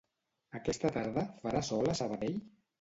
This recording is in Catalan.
Aquesta tarda farà sol a Sabadell?